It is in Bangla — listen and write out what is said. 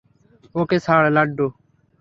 ওকে ছাড়, লাড্ডু!